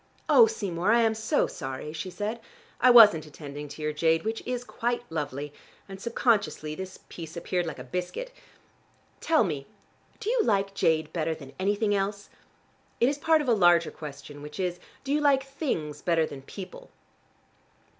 "Oh, Seymour, I'm so sorry," she said. "I wasn't attending to your jade, which is quite lovely, and subconsciously this piece appeared like a biscuit. Tell me, do you like jade better than anything else? It is part of a larger question, which is: 'Do you like things better than people?'